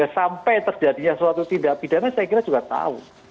sampai terjadinya suatu tindak pidana saya kira juga tahu